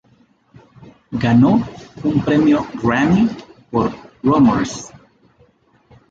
Ganó un premio Grammy por "Rumours".